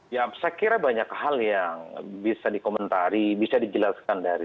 ya saya kira banyak hal yang bisa dikomentari bisa dijelaskan dari